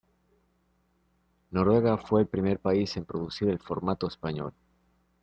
Noruega fue el primer país en producir el formato español.